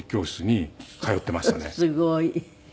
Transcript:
すごい。